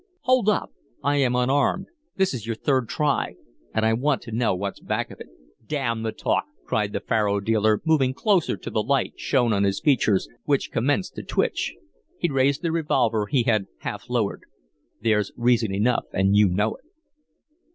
"Hold up! I am unarmed. This is your third try, and I want to know what's back of it." "DAMN the talk!" cried the faro dealer, moving closer till the light shone on his features, which commenced to twitch. He raised the revolver he had half lowered. "There's reason enough, and you know it."